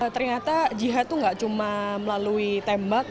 ternyata jihad itu gak cuma melalui tembak